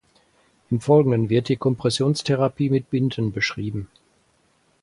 Im Folgenden wird die Kompressionstherapie mit Binden beschrieben.